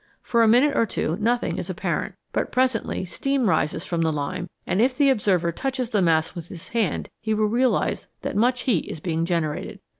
For a minute or two nothing is apparent, but presently steam rises from the lime, and if the observer touches the mass with his hand he will realise that much heat is being generated.